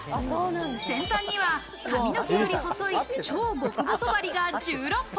先端には髪の毛より細い超極細針が１６本。